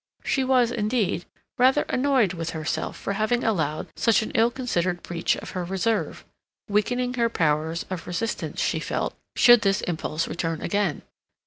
She was, indeed, rather annoyed with herself for having allowed such an ill considered breach of her reserve, weakening her powers of resistance, she felt, should this impulse return again.